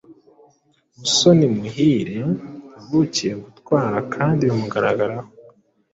Musoni muhireyavukiye gutwara kandi bimugaragaraho"